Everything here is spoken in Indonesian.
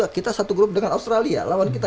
kita satu grup dengan australia lawan kita